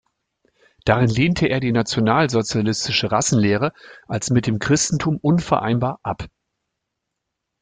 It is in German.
Darin lehnte er die nationalsozialistische Rassenlehre als mit dem Christentum unvereinbar ab.